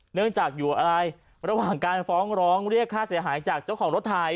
เนื่องจากอยู่อะไรระหว่างการฟ้องร้องเรียกค่าเสียหายจากเจ้าของรถไทย